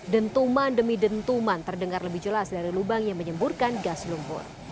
den tuman demi den tuman terdengar lebih jelas dari lubang yang menyemburkan gas lumpur